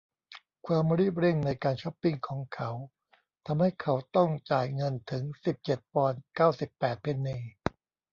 ความรีบเร่งในการช็อปปิ้งของเขาทำให้เขาต้องจ่ายเงินถึงสิบเจ็ดปอนด์เก้าสิบแปดเพนนี